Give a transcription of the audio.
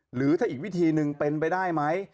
หรือถ้าอีกวิธีหนึ่งเป็นไปได้ไหม